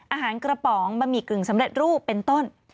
อาหารกระป๋องบะหมี่กึ่งสำเร็จรูปเป็นต้น